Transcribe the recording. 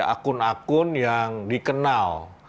akun akun yang dikenal